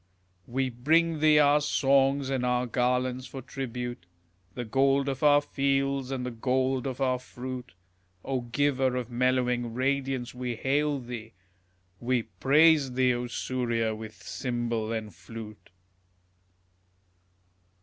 We bring thee our songs and our garlands for tribute, The gold of our fields and the gold of our fruit; O giver of mellowing radiance, we hail thee, We praise thee, O Surya, with cymbal and flute.